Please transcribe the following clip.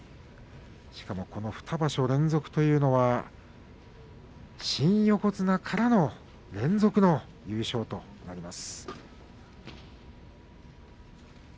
しかもこの２場所連続というのは新横綱からの連続の優勝となります。